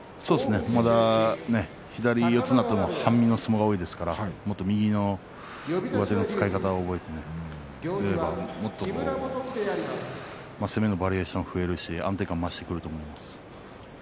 まだ左四つになっても半身の相撲が多いですからもっと右の上手の使い方を覚えていけばもっと攻めのバリエーションが増えるし、安定感が増してくると思います。